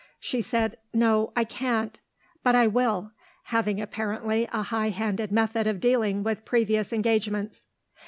She said, "No, I can't; but I will," having apparently a high handed method of dealing with previous engagements.